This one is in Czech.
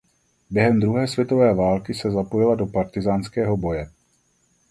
Během druhé světové války se zapojila do partyzánského boje.